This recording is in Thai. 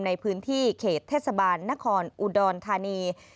ในพื้นที่เขตเทศบาลนครอุดรธานี